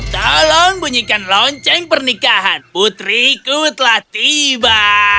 tolong bunyikan lonceng pernikahan putriku telah tiba